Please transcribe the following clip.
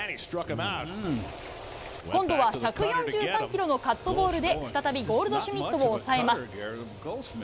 今度は１４３キロのカットボールで、再びゴールドシュミットを抑えます。